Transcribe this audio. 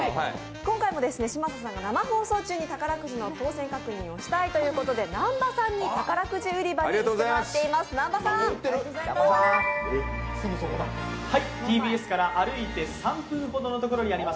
今回も嶋佐さんが生放送中に当選確認をしたいということで南波さんに宝くじ売り場に行ってもらっています。